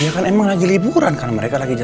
sebentar nanti ya